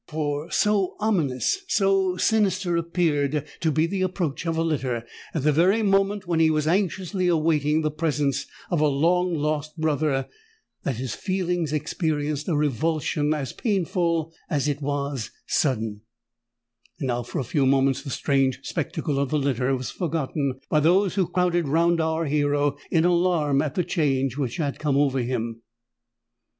For so ominous—so sinister appeared to be the approach of a litter at the very moment when he was anxiously awaiting the presence of a long lost brother, that his feelings experienced a revulsion as painful as it was sudden. And now for a few moments the strange spectacle of the litter was forgotten by those who crowded round our hero in alarm at the change which had come over him.